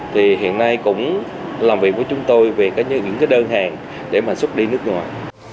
thì hiện nay cũng làm việc với chúng tôi về những cái đơn hàng để mà xuất đi nước ngoài